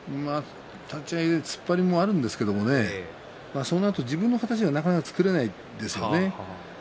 立ち合い突っ張りもあるんですけれどもそのあと自分の形なかなか作れないですよね。